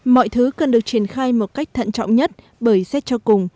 mọi thứ cần được triển khai một cách thận trọng nhất bởi xét cho cùng